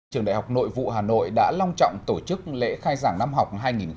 trường đại học nội vụ hà nội đã long trọng tổ chức lễ khai giảng năm học hai nghìn hai mươi hai nghìn hai mươi một